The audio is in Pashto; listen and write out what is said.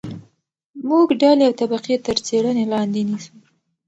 موږ ډلې او طبقې تر څېړنې لاندې نیسو.